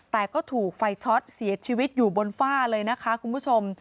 แต่ก็ถูกไฟช็อตเสียชีวิตอยู่บนฝ้าเลยนะคะคุณผู้ชม